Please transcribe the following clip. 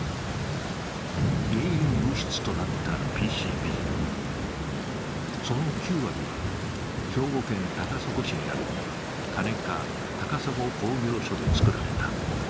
原因物質となったＰＣＢ、その９割は兵庫県高砂市にあるカネカ高砂工業所で作られた。